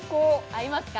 合いますか？